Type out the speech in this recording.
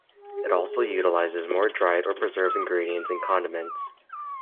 It also utilises more dried or preserved ingredients and condiments.